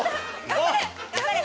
頑張れ！